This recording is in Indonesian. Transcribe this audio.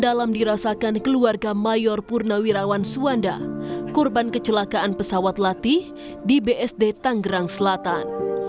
dalam dirasakan keluarga mayor purnawirawan suwanda korban kecelakaan pesawat latih di bsd tanggerang selatan